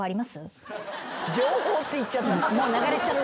情報って言っちゃった。